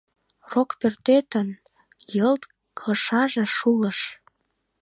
Рокпӧртетын йылт кышаже шулыш: